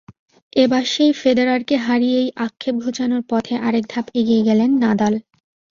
এবার সেই ফেদেরারকে হারিয়েই আক্ষেপ ঘোচানোর পথে আরেক ধাপ এগিয়ে গেলেন নাদাল।